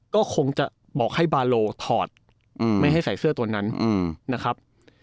ก็คงจะบอกให้บาโลถอดไม่ให้ใส่เสื้อตัวนั้นนะครับ